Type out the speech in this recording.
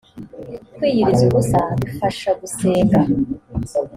kwiyiriza ubusa bifashagusenga.